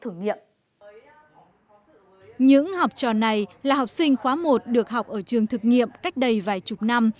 những học trò này là học sinh khóa một được học ở trường thực nghiệm cách đây vài chục năm